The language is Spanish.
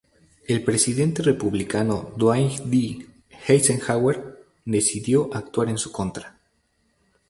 El presidente republicano Dwight D. Eisenhower decidió actuar en su contra.